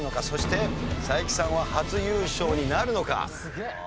そして才木さんは初優勝になるのか？